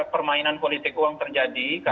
permainan politik uang terjadi